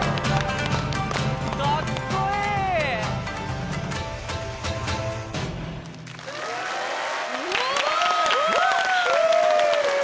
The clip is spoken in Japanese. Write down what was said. かっこいい！ヒュ！